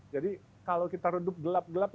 jadi kalau kita hidup gelap gelap